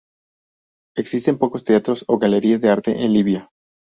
Existen pocos teatros o galerías de arte en Libia.